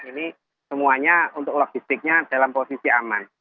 ini semuanya untuk logistiknya dalam posisi aman